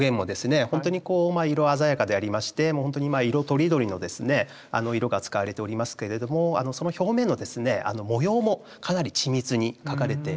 ほんとに色鮮やかでありましてほんとに色とりどりの色が使われておりますけれどもその表面の模様もかなり緻密に描かれています。